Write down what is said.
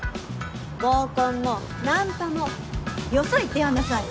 合コンもナンパもよそ行ってやんなさい！